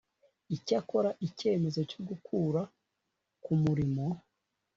icyakora icyemezo cyo gukura ku murimo